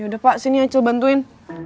yaudah pak sini acil bantuin